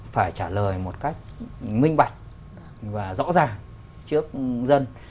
phải trả lời một cách minh bạch và rõ ràng trước dân